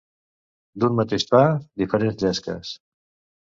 D'un mateix pa, diferents llesques.